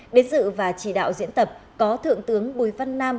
đến dự và chỉ đạo diễn tập có thượng tướng bùi văn nam